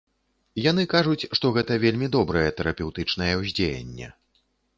Яны кажуць, што гэта вельмі добрае тэрапеўтычнае ўздзеянне.